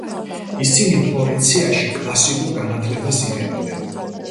ისინი ფლორენციაში კლასიკურ განათლებას იღებდნენ.